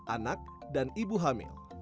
anak dan ibu hamil